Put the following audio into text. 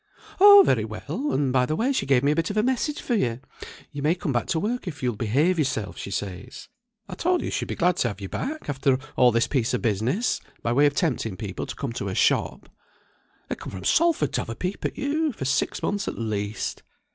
"Oh, very well; and by the way she gave me a bit of a message for you. You may come back to work if you'll behave yourself, she says. I told you she'd be glad to have you back, after all this piece of business, by way of tempting people to come to her shop. They'd come from Salford to have a peep at you, for six months at least."